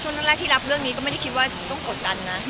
ช่วงแรกที่รับเรื่องนี้ก็ไม่ได้คิดว่าต้องกดดันนะ